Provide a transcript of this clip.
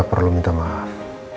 tidak perlu minta maaf